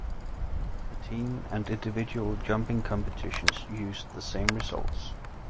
The team and individual jumping competitions used the same results.